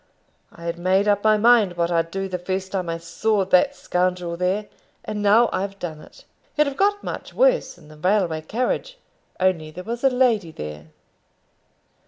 I had made up my mind what I'd do the first time I saw that scoundrel there; and now I've done it. He'd have got much worse in the railway carriage, only there was a lady there."